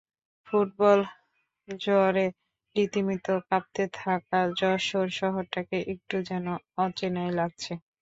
Football জ্বরে রীতিমতো কাঁপতে থাকা যশোর শহরটাকে একটু যেন অচেনাই লাগছে।